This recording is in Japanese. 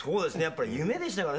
やっぱり夢でしたからね